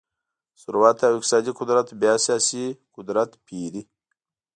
ثروت او اقتصادي قدرت بیا سیاسي قدرت پېري.